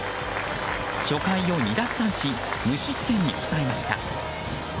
初回を２奪三振無失点に抑えました。